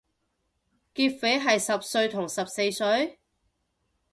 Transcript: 劫匪係十歲同十四歲？